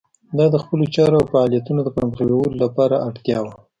دا د خپلو چارو او فعالیتونو د پرمخ بیولو لپاره اړتیا وه.